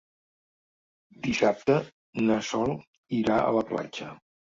Dissabte na Sol irà a la platja.